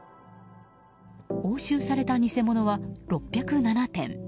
押収された偽物は６０７点。